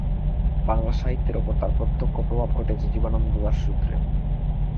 বাংলাসাহিত্যের ওপর তাঁর প্রত্যক্ষ প্রভাব ঘটেছে জীবনানন্দ দাশ সূত্রে।